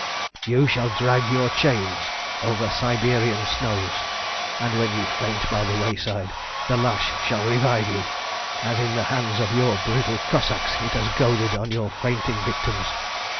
You shall drag your chains over Siberian snows, and when you faint by the wayside the lash shall revive you, as in the hands of your brutal Cossacks it has goaded on your fainting victims.